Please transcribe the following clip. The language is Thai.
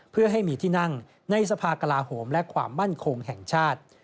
เพื่อให้มีที่นั่งในสภากลาโหมและความมั่นคงแห่งชาติ